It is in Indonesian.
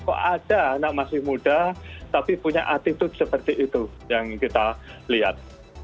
kok ada anak masih muda tapi punya atitude seperti itu yang kita lihat